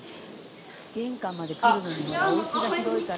玄関まで来るのにおうちが広いから。